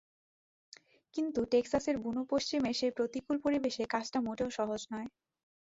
কিন্তু টেক্সাসের বুনো পশ্চিমের সেই প্রতিকূল পরিবেশে কাজটা মোটেও সহজ নয়।